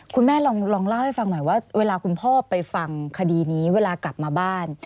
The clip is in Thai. คุณแม่ลองเล่าให้ฟังหน่อยว่าเวลาคุณพ่อไปฟังคดีนี้เวลากลับมาบ้าน